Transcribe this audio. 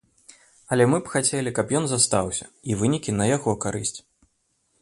Але мы б хацелі, каб ён застаўся, і вынікі на яго карысць.